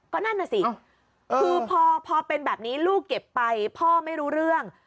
ก็นั่นน่ะสิคือพอเป็นแบบนี้ลูกเก็บไปพ่อไม่รู้เรื่อง